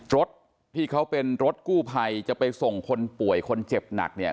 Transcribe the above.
รถที่เขาเป็นรถกู้ภัยจะไปส่งคนป่วยคนเจ็บหนักเนี่ย